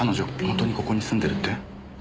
本当にここに住んでるって？